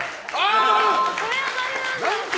これは○なんだ。